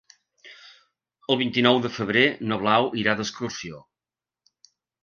El vint-i-nou de febrer na Blau irà d'excursió.